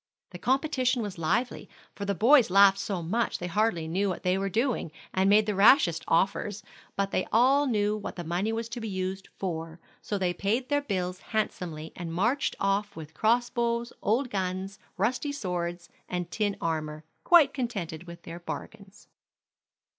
The competition was lively, for the boys laughed so much they hardly knew what they were doing, and made the rashest offers; but they all knew what the money was to be used for, so they paid their bills handsomely, and marched off with cross bows, old guns, rusty swords, and tin armor, quite contented with their bargains.